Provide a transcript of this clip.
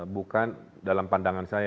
bukan dalam pandangan saya